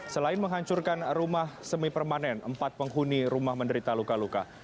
selain menghancurkan rumah semi permanen empat penghuni rumah menderita luka luka